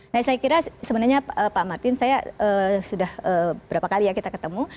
nah saya kira sebenarnya pak martin saya sudah berapa kali ya kita ketemu